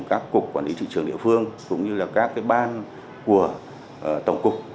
tổng cục quản lý thị trường địa phương cũng như là các cái ban của tổng cục